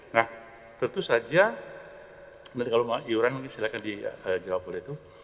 nah tentu saja nanti kalau mau iuran mungkin silahkan dijawab oleh itu